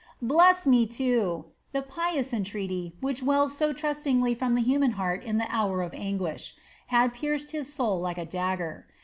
"Bless me too!" The pious entreaty, which wells so trustingly from the human heart in the hour of anguish, had pierced his soul like a dagger.